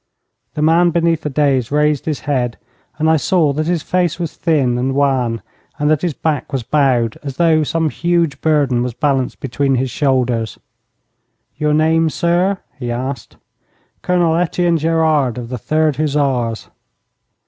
The man beneath the daïs raised his head, and I saw that his face was thin and wan, and that his back was bowed as though some huge burden was balanced between his shoulders. 'Your name, sir?' he asked. 'Colonel Etienne Gerard, of the Third Hussars.'